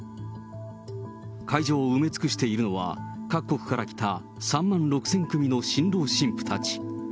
会場を埋め尽くしているのは、各国から来た３万６０００組の新郎新婦たち。